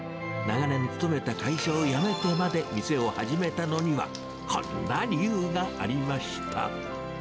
長年勤めた会社を辞めてまで店を始めたのには、こんな理由がありました。